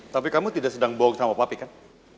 tapi kamu tidak sedang bohong sama papi kan